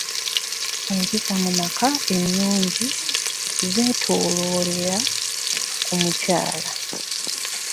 Empisa mu maka ennungi zeetooloorera ku mukyala.